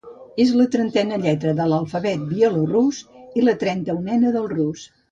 És la trentena lletra de l'alfabet bielorús i la trenta-unena del rus.